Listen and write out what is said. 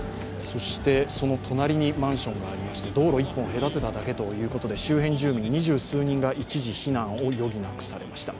その隣にマンションがありまして、道路１本隔てただけということで周辺住民、二十数人が一時、避難を余儀なくされました。